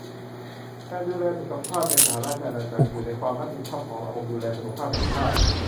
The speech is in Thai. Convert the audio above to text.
การดูแลสุขภาพในสหราชอาณาจักรอยู่ในความรับผิดชอบของระบบดูแลสุขภาพแห่งชาติ